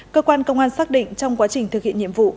cơ quan công an xác định trong quá trình thực hiện nhiệm vụ